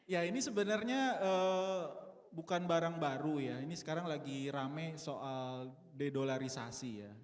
ya ini sebenarnya bukan barang baru ya ini sekarang lagi rame soal dedolarisasi ya